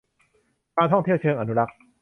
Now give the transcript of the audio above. การท่องเที่ยวเชิงอนุรักษ์